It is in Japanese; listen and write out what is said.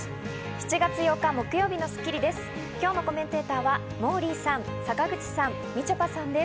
７月８日、木曜日の『スッキリ』です。